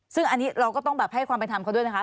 ซึ่งอันนี้เราก็ต้องแบบให้ความเป็นธรรมเขาด้วยนะคะ